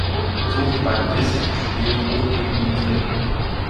So wie beim Whist spielt "Hoch" gegen "Niedrig".